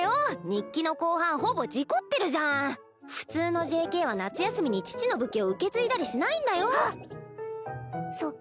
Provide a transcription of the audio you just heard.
日記の後半ほぼ事故ってるじゃん普通のＪＫは夏休みに父の武器を受け継いだりしないんだよはっ！